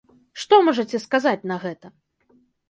Што можаце сказаць на гэта?